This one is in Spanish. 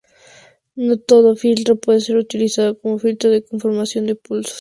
No todo filtro puede ser utilizado como un filtro de conformación de pulsos.